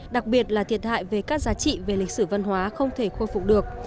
đặc biệt là thiệt hại về các giá trị về lịch sử văn hóa không thể khôi phục được